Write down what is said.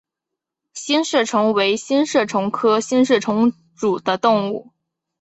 星射虫为星射虫科星射虫属的动物。